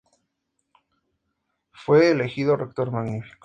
Más tarde fue elegido Rector Magnífico.